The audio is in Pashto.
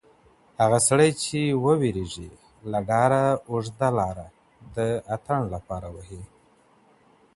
هغه سړی چي ویریږي، له ډاره اوږده لاره د اتڼ لپاره وهي.